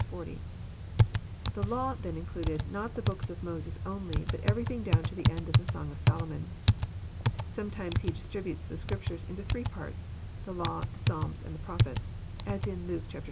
The "law" then included not the books of Moses only, but everything down to the end of the Song of Solomon. Sometimes He distributes the Scriptures Into three parts : the law, the psalms, and the prophets. (As in Luke txXL 44.)